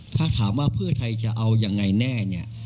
ถ้าถามว่าเพื่อไทยจะเอายังไงแน่เนี่ย